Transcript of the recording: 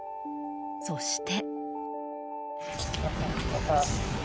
そして。